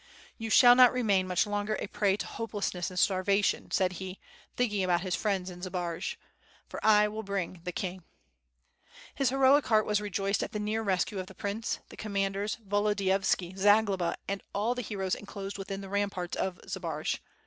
"You shall not remain much longer a prey to hopeless ness and starvation," said he, thinking about his friends in Zbaraj, "for I will bring the king." His heroic heart was rejoiced at the near rescue of the prince, the commanders, Volodiyovski, Zagloba, and all the heroes enclosed within the ramparts of Zbaraj.